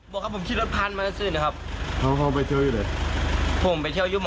บอกครับผมขี่รถพานปมา็สึนครับเพราะพ้องเค้าไปเที่ยวยุบ